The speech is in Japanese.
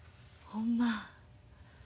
ほんま。